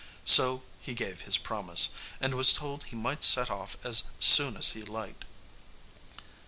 So he gave his promise, and was told he might set off as soon as he liked.